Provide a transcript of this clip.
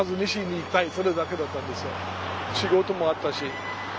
仕事もあったし。